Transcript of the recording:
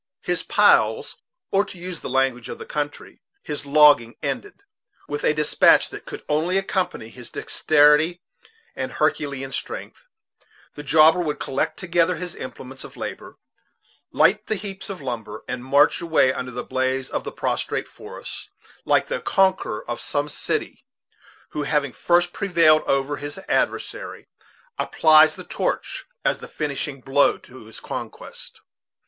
His piles, or, to use the language of the country, his logging ended, with a dispatch that could only accompany his dexterity and herculean strength, the jobber would collect together his implements of labor, light the heaps of timber, and march away under the blaze of the prostrate forest, like the conqueror of some city who, having first prevailed over his adversary, applies the torch as the finishing blow to his conquest.